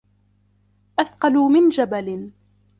أثقل من جبل